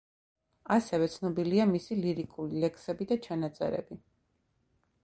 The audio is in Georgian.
ასევე ცნობილია მისი ლირიკული ლექსები და ჩანაწერები.